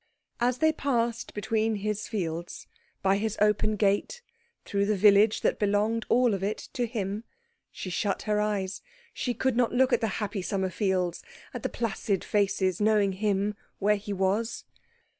As they passed between his fields, by his open gate, through the village that belonged, all of it, to him, she shut her eyes. She could not look at the happy summer fields, at the placid faces, knowing him where he was.